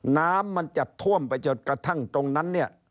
น้ำมันจะท่วมไปจนกระทั่งตรงนั้นเนี่ย